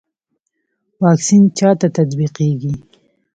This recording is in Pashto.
واکسین چا ته تطبیقیږي؟